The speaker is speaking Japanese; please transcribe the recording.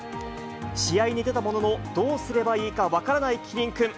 試合に出たものの、どうすればいいか分からないキリンくん。